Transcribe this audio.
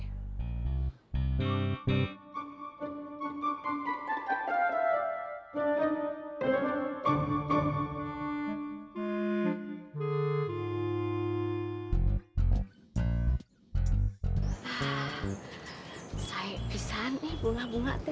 ah saya pisah nih bunga bunga teh